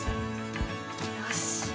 よし。